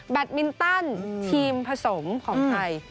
มินตันทีมผสมของไทย